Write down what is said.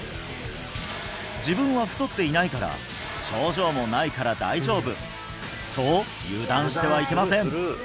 自分は太っていないから症状もないから大丈夫と油断してはいけません